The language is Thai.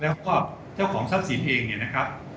แล้วก็เจ้าของทรัพย์สินเองเนี่ยนะครับ